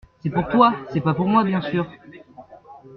C’est pour toi, c’est pas pour moi, bien sûr !